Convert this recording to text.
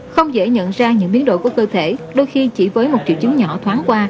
không dễ nhận ra những biến đổi của cơ thể đôi khi chỉ với một triệu chứng nhỏ thoáng qua